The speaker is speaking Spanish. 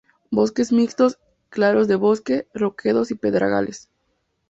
Bosques mixtos, claros de bosque, roquedos y pedregales.